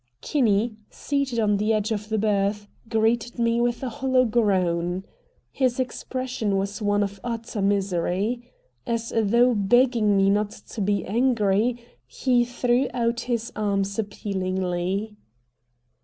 Kinney, seated on the edge of the berth, greeted me with a hollow groan. His expression was one of utter misery. As though begging me not to be angry, he threw out his arms appealingly.